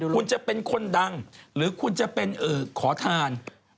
คุณจะเป็นคนดังหรือคุณจะเป็นขอทาน